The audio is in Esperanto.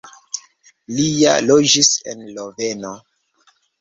Li ja loĝis en Loveno.